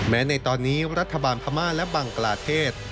ในตอนนี้รัฐบาลพม่าและบังกลาเทศ